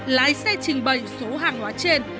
lái xe trình bày số hàng hóa trên